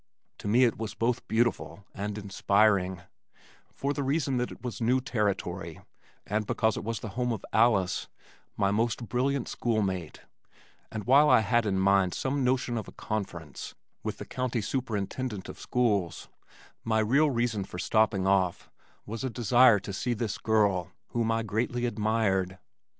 To me it was both beautiful and inspiring, for the reason that it was new territory and because it was the home of Alice, my most brilliant school mate, and while I had in mind some notion of a conference with the county superintendent of schools, my real reason for stopping off was a desire to see this girl whom I greatly admired.